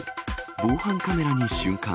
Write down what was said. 防犯カメラに瞬間。